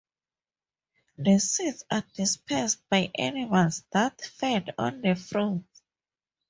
The seeds are dispersed by animals that feed on the fruits.